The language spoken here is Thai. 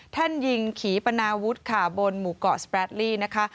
ท่านยิงขี่ปนาวุฒิค่ะบนหมู่เกาะสแปรดลี่นะคะ